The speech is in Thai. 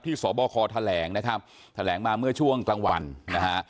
สบคแถลงนะครับแถลงมาเมื่อช่วงกลางวันนะฮะ